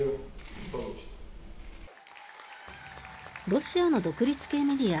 ロシアの独立系メディア